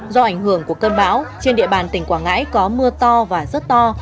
do ảnh hưởng của cơn bão trên địa bàn tỉnh quảng ngãi có mưa to và rất to